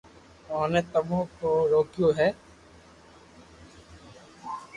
اوني تمو ڪو روڪيو ھي